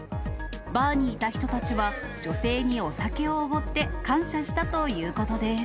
バーにいた人たちは、女性にお酒をおごって、感謝したということです。